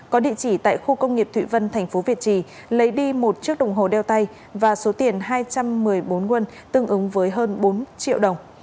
có địa chỉ tại khu công nghiệp thụy vân tp việt trì lấy đi một chiếc đồng hồ đeo tay và số tiền hai trăm một mươi bốn won tương ứng với hơn bốn triệu đồng